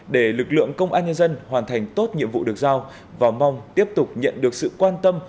để lực lượng công an nhân dân hoàn thành tốt nhiệm vụ được giao và mong tiếp tục nhận được sự quan tâm